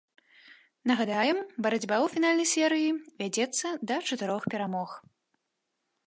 Нагадаем, барацьба ў фінальнай серыі вядзецца да чатырох перамог.